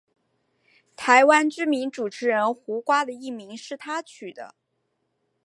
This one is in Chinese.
台湾知名主持人胡瓜的艺名是他取的。